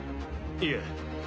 いえ。